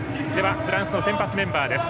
フランスの先発メンバーです。